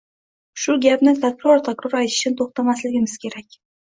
Shu gapni takror-takror aytishdan to‘xtamasligimiz kerak.